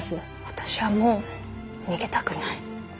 私はもう逃げたくない。